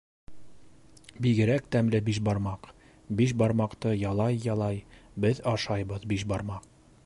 Бигерәк тәмле бишбармаҡ, Биш бармаҡты ялай-ялай Беҙ ашайбыҙ бишбармаҡ!